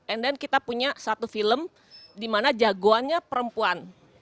and then kita punya satu film di mana jagoannya perempuan